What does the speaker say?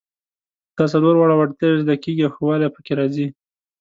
دا څلور واړه وړتیاوې زده کیږي او ښه والی پکې راځي.